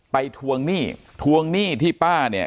ทวงหนี้ทวงหนี้ที่ป้าเนี่ย